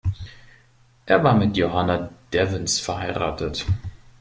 Er war mit Johanna Devens verheiratet.